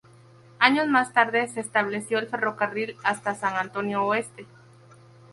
Años más tarde, se estableció el ferrocarril hasta San Antonio Oeste.